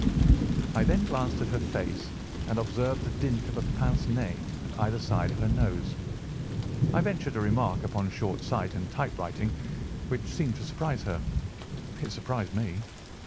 I then glanced at her face, and, observing the dint of a pince nez at either side of her nose, I ventured a remark upon short sight and typewriting, which seemed to surprise her." "It surprised me."